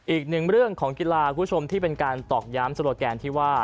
อีกหนึ่งเรื่องของกีฬาคุณผู้ชมที่เป็นการตอกย้ำโซโลแกนที่ว่า